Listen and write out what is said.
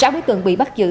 sáu đối tượng bị bắt giữ